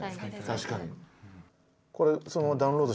確かに。